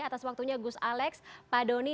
atas waktunya gus alex pak doni